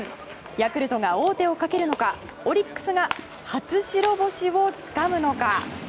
ヤクルトが王手をかけるのかオリックスが初白星をつかむのか。